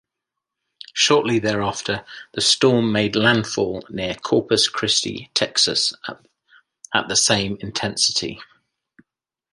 Shortly thereafter, the storm made landfall near Corpus Christi, Texas at the same intensity.